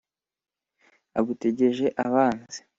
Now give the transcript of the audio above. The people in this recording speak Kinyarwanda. agutegeje abanzi